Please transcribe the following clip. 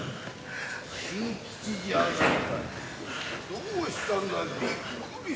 どうしたんだい。